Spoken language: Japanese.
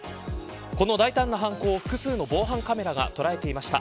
この大胆な犯行を複数の防犯カメラが捉えていました。